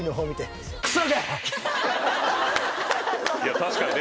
確かにね。